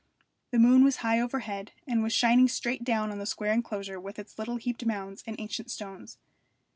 The moon was high overhead, and was shining straight down on the square enclosure with its little heaped mounds and ancient stones.